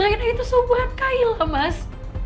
rai naya itu sebuah kailat mas